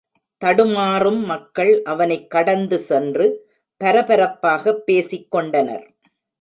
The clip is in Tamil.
தடுமாறும் மக்கள் அவனைக் கடந்து சென்று, பரபரப்பாக பேசிக்கொண்டனர்.